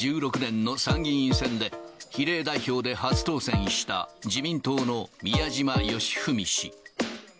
名前を挙げたのは、２０１６年の参議院選で、比例代表で初当選した自民党の宮島喜文氏。